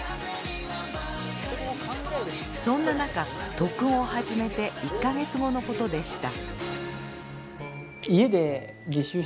そんな中特訓を始めて１か月後のことでした。